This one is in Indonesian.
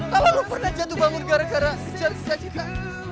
kalau lu pernah jatuh bangun gara gara kejar si sajita